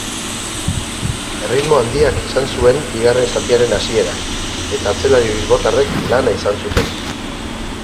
Erritmo handiak izan zuen bigarren zatiaren hasierak eta atzelari bilbotarrek lana izan zuten.